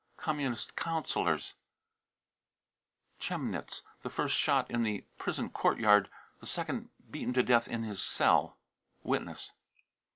Communist councillors, Chemnitz ; the first shot in the prison courtyard, the second beaten to death in his cell. (Witness.)